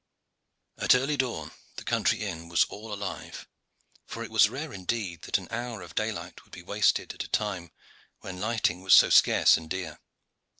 At early dawn the country inn was all alive, for it was rare indeed that an hour of daylight would be wasted at a time when lighting was so scarce and dear.